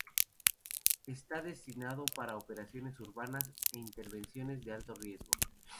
Está destinado para Operaciones Urbanas e intervenciones de Alto Riesgo.